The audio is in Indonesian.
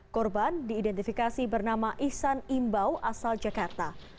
korban diidentifikasi bernama ihsan imbau asal jakarta